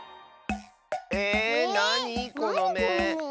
ええっなにこのめ？